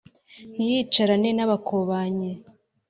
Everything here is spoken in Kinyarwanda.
Ntiyicarane n’abakobanyi.